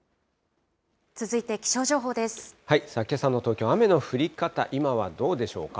けさの東京、雨の降り方、今はどうでしょうか。